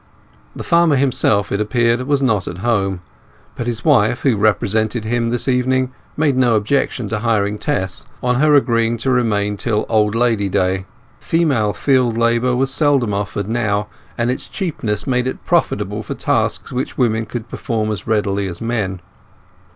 The farmer himself, it appeared, was not at home, but his wife, who represented him this evening, made no objection to hiring Tess, on her agreeing to remain till Old Lady Day. Female field labour was seldom offered now, and its cheapness made it profitable for tasks which women could perform as readily as men.